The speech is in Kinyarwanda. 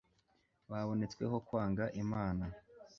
babonetsweho kwanga imana